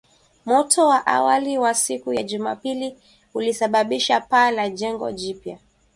Moto wa awali wa siku ya Jumapili ulisababisha paa la jengo jipya